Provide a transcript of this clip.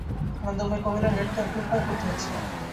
আনন্দময়ী কহিলেন, এর তো একটা উপায় করতে হচ্ছে।